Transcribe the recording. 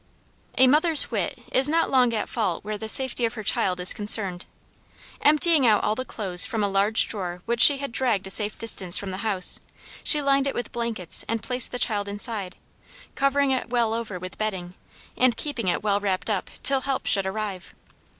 A mother's wit is not long at fault where the safety of her child is concerned. Emptying out all the clothes from a large drawer which she had dragged a safe distance from the house, she lined it with blankets and placed the child inside, covering it well over with bedding, and keeping it well wrapped up till help should arrive.